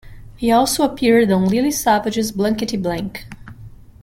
He also appeared on Lily Savage's Blankety Blank.